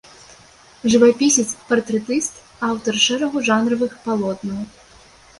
Жывапісец-партрэтыст, аўтар шэрагу жанравых палотнаў.